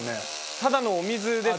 ただのお水です。